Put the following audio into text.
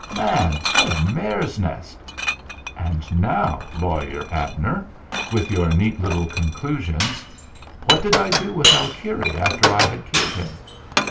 Man! What a mare's nest! And now, Lawyer Abner, with your neat little conclusions, what did I do with Alkire after I had killed him?